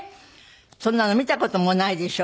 そんなの見た事もないでしょ？